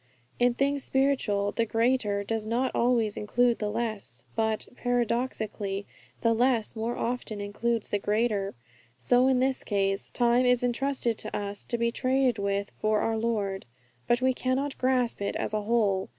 In things spiritual, the greater does not always include the less, but, paradoxically, the less more often includes the greater. So in this case, time is entrusted to us to be traded with for our Lord. But we cannot grasp it as a whole.